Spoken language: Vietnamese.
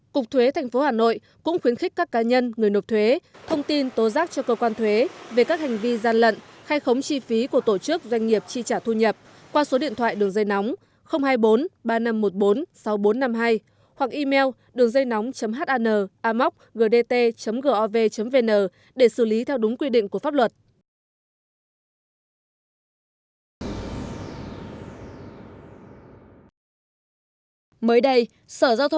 cục thuế thành phố hà nội cũng khuyến khích các cá nhân người nộp thuế thông tin tố rác cho cơ quan thuế về các hành vi gian lận khai khống chi phí của tổ chức doanh nghiệp chi trả thu nhập qua số điện thoại đường dây nóng hai mươi bốn ba nghìn năm trăm một mươi bốn sáu nghìn bốn trăm năm mươi hai hoặc email đườngdâynóng hanamocgdt gov vn để xử lý theo đúng quy định của pháp luật